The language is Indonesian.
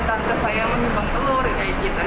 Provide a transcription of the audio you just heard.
tante saya menyumbang telur ya gitu